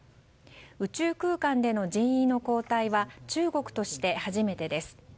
宇宙空間での人員の交代は中国として初めてです。